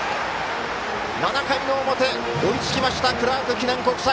７回の表、追いつきましたクラーク記念国際！